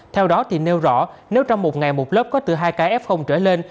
theo đó thì nêu rõ nếu trong một ngày một lớp có từ hai kf trở lên